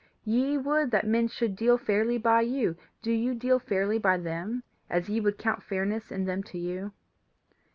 Ye would that men should deal fairly by you; do you deal fairly by them as ye would count fairness in them to you?